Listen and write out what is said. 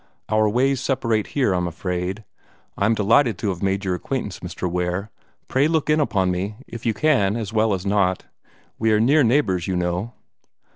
Our ways separate here, I'm afraid. I am delighted to have made your acquaintance, Mr. Ware. Pray look in upon me, if you can as well as not. We are near neighbors, you know."